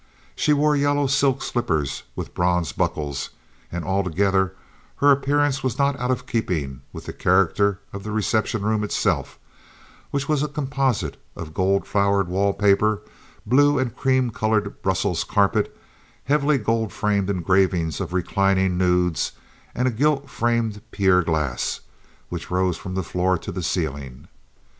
She wore yellow silk slippers with bronze buckles; and altogether her appearance was not out of keeping with the character of the reception room itself, which was a composite of gold flowered wall paper, blue and cream colored Brussels carpet, heavily gold framed engravings of reclining nudes, and a gilt framed pier glass, which rose from the floor to the ceiling.